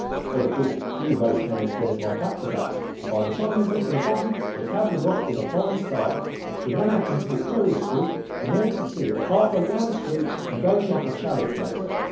"Well, of course, we raced down the stairs like acrobats, but by the time we got to the bottom the cab was off with a fine start. We ran out into Victoria Street, and there we could see it half way down the street and going like a chariot race.